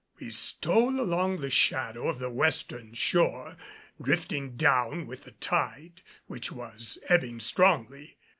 We stole along the shadow of the western shore, drifting down with the tide, which was ebbing strongly.